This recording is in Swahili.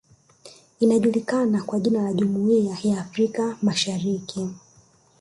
Inajulikana kwa jina la Jumuiya ya Afrika masahariki